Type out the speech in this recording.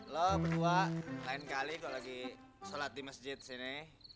lo berdua lain kali kalau lagi sholat di masjid sini